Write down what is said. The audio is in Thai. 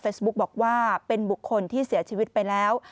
บอกว่าเป็นบุคคลที่เสียชีวิตไปแล้ว